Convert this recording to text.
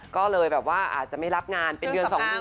ก็เลยแบบว่าอาจจะไม่รับงานเป็นเดือน๒เดือน